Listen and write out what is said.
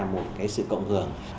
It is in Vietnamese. một cái sự cộng thường